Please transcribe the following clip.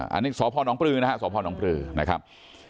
อันนี้สพนปลือนะฮะสพนปลือนะครับ